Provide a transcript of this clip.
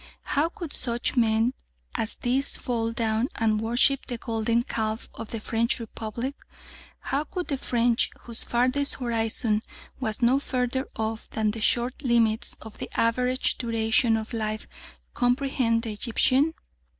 How could such men as these fall down and worship the golden calf of the French Republic? How could the French, whose farthest horizon was no further off than the short limits of "the average duration of life," comprehend the Egyptian?